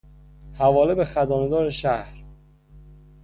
حواله به خزانهدار شهر